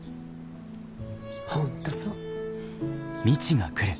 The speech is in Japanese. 本当そう。